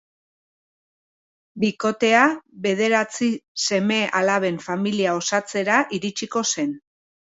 Bikotea bederatzi seme‐alaben familia osatzera iritsiko zen.